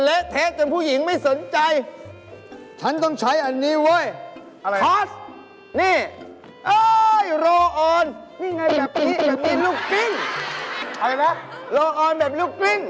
เอ้าไปให้พ่อด้วยค่ะไร